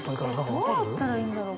どうやったらいいんだろう？